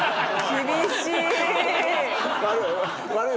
厳しい。